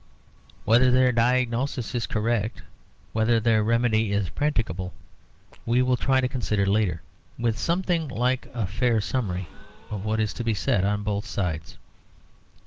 Whether their diagnosis is correct, whether their remedy is practicable, we will try to consider later, with something like a fair summary of what is to be said on both sides.